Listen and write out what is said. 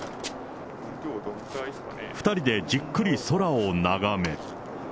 ２人でじっくり空を眺め。